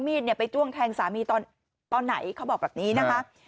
ไปจ้วงแทงสามีตอนไหนเขาบอกแบบนี้นะคะ